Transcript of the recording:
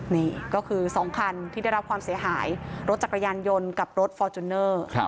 นี่ก็คือ๒คันที่ได้รับความเสียหายรถจักรยานยนต์กับรถฟอร์จูเนอร์